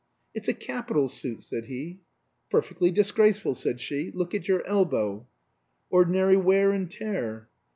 "It's a capital suit," said he. "Perfectly disgraceful," said she. "Look at your elbow." "Ordinary wear and tear."